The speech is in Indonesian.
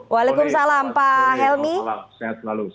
waalaikumsalam pak helmy